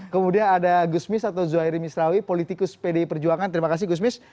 kemudian ada gusmis atau zuhairi misrawi politikus pdi perjuangan terima kasih gusmis